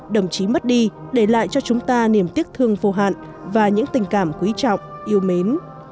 đồng chí mất đi để lại cho chúng ta niềm tiếc thương vô hạn và những tình cảm quý trọng yêu mến